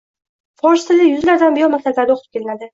fors tili yuz yillardan buyon maktablarda o‘qitib kelinadi